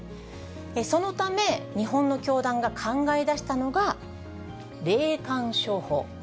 そのため、日本の教団が考え出したのが霊感商法。